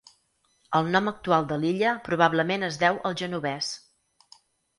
El nom actual de l'illa probablement es deu al genovès.